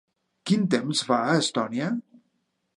Quin temps fa a Estònia?